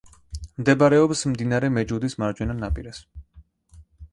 მდებარეობს მდინარე მეჯუდის მარჯვენა ნაპირას.